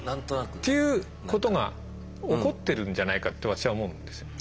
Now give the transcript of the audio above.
っていうことがおこってるんじゃないかと私は思うんですよね。